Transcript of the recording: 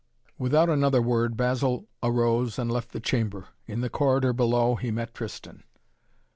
Without another word Basil arose and left the chamber. In the corridor below he met Tristan.